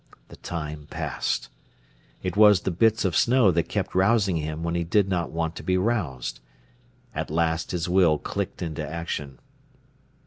The time passed. It was the bits of snow that kept rousing him when he did not want to be roused. At last his will clicked into action.